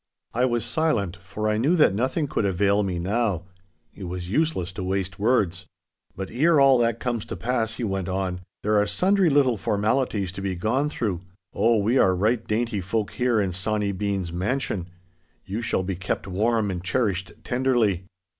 I was silent, for I knew that nothing could avail me now. It was useless to waste words. 'But ere all that comes to pass,' he went on, 'there are sundry little formalities to be gone through.—Oh, we are right dainty folk here in Sawny Bean's mansion. You shall be kept warm and cherished tenderly.